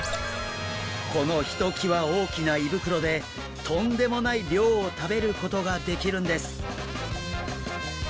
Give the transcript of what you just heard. このひときわ大きな胃袋でとんでもない量を食べることができるんです。